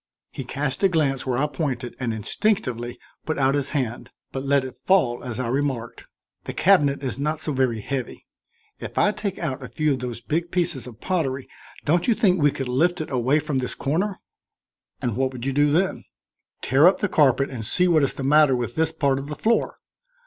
He cast a glance where I pointed and instinctively put out his hand, but let it fall as I remarked: "The cabinet is not so very heavy. If I take out a few of those big pieces of pottery, don't you think we could lift it away from this corner?" "And what would you do then?" "Tear up the carpet and see what is the matter with this part of the floor.